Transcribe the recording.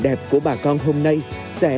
đẹp của bà con hôm nay sẽ